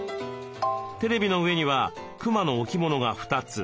テレビの上にはクマの置物が２つ。